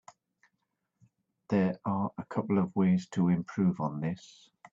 There are a couple ways to improve on this.